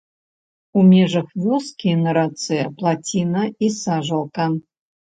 У межах вёскі на рацэ плаціна і сажалка.